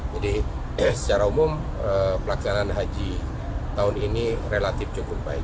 jadi secara umum pelaksanaan haji tahun ini relatif cukup baik